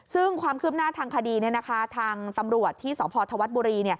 ซึ่งความคืบหน้าทางคดีทางตำรวจที่สพธวัฒน์บุรี